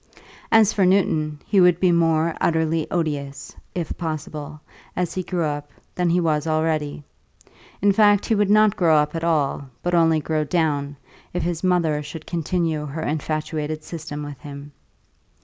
As for Newton, he would be more utterly odious, if possible, as he grew up, than he was already; in fact, he would not grow up at all, but only grow down, if his mother should continue her infatuated system with him.